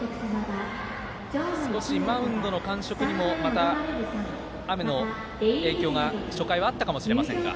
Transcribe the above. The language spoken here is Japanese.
少しマウンドの感触にもまた雨の影響が初回はあったかもしれませんが。